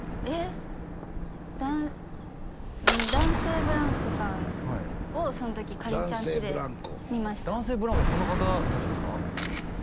えっ男性ブランコさんをその時かりんちゃんちで見ました男性ブランコこの方達ですか？